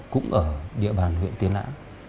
cũng ở địa bàn huyện tiên lã